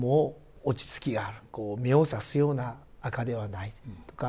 こう目を刺すような紅ではないとか。